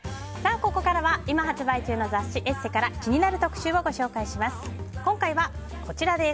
ここからは今発売中の雑誌「ＥＳＳＥ」から気になる特集をご紹介します。